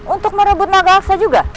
untuk merebut nama aksa juga